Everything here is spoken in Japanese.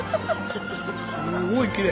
すごいきれい！